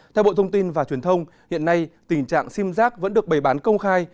theo bộ thông tin và truyền thông hiện nay tình trạng sim giác vẫn được bày bán công khai